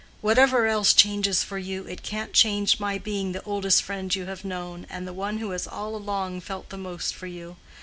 "Whatever else changes for you, it can't change my being the oldest friend you have known, and the one who has all along felt the most for you.